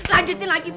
lanjutin lagi pih